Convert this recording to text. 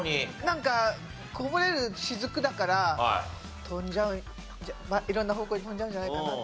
なんかこぼれる滴だから飛んじゃうんじゃ色んな方向に飛んじゃうんじゃないかなと。